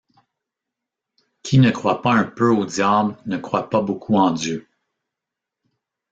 Qui ne croit pas un peu au diable ne croit pas beaucoup en Dieu.